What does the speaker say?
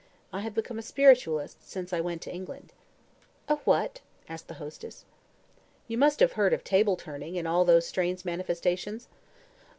I have become a spiritualist since I went to England." "A what?" asked the hostess. "You must have heard of table turning, and all those strange manifestations?"